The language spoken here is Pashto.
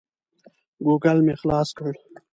ګوګل مې خلاص کړ.